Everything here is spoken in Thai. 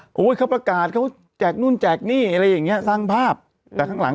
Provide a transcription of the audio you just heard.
โอ้โหเขาประกาศเขาแจกนู่นแจกหนี้อะไรอย่างเงี้ยสร้างภาพแต่ข้างหลัง